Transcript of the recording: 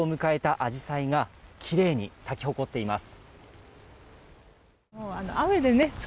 アジサイがきれいに咲き誇っています。